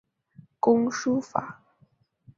工书法。